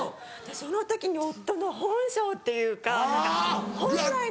その時に夫の本性っていうか何か本来の姿。